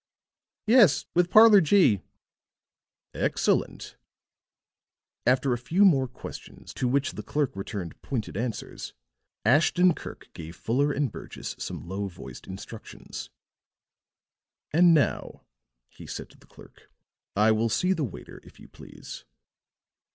"Yes, with Parlor G." "Excellent!" After a few more questions to which the clerk returned pointed answers, Ashton Kirk gave Fuller and Burgess some low voiced instructions. "And now," he said to the clerk, "I will see the waiter, if you please."